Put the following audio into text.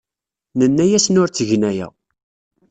Nenna-asen ur ttgen aya.